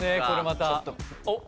これまた。